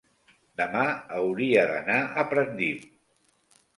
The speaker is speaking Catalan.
demà hauria d'anar a Pratdip.